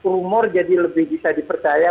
rumor jadi lebih bisa dipercaya